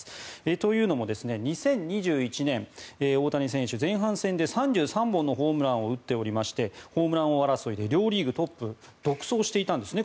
というのも２０２１年大谷選手前半戦で３３本のホームランを打っておりましてホームラン王争いで両リーグトップを独走していたんですね